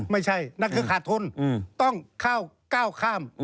ไม่ใช่นั่นคือขาดทนต้องเข้าเก้าข้าม